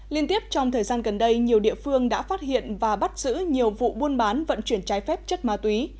liên tiếp trong thời gian gần đây nhiều địa phương đã phát hiện và bắt giữ nhiều vụ buôn bán vận chuyển trái phép chất ma túy